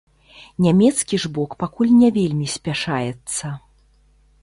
Нямецкі ж бок пакуль не вельмі спяшаецца.